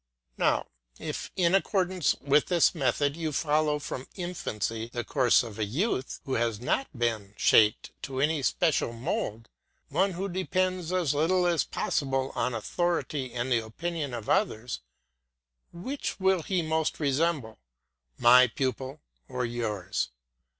Now if in accordance with this method you follow from infancy the course of a youth who has not been shaped to any special mould, one who depends as little as possible on authority and the opinions of others, which will he most resemble, my pupil or yours?